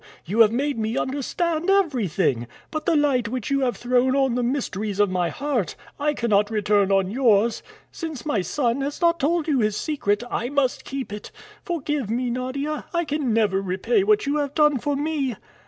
You have made me understand everything. But the light which you have thrown on the mysteries of my heart, I cannot return on yours. Since my son has not told you his secret, I must keep it. Forgive me, Nadia; I can never repay what you have done for me."